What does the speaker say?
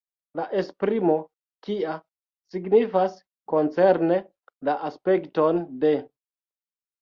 La esprimo “kia” signifas "koncerne la aspekton de".